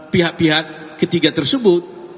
pihak pihak ketiga tersebut